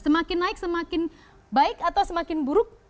semakin naik semakin baik atau semakin buruk